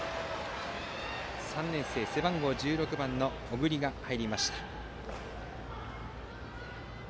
３年生、背番号１６番の小栗が入りました。